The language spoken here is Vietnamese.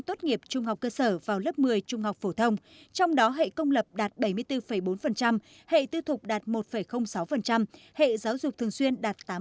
trung học phổ thông trong đó hệ công lập đạt bảy mươi bốn bốn hệ tư thuộc đạt một sáu hệ giáo dục thường xuyên đạt tám năm